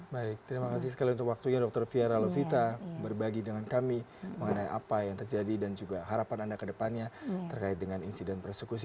baik terima kasih sekali untuk waktunya dr fiera lovita berbagi dengan kami mengenai apa yang terjadi dan juga harapan anda ke depannya terkait dengan insiden persekusi